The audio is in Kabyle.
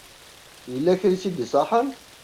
Yella kra i tt-id-iṣaḥen?